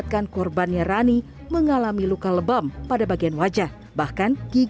jadi saat ini pelaku sudah kami amalkan